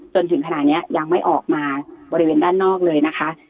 จนถึงขณะนี้ยังไม่ออกมาบริเวณด้านนอกเลยนะคะ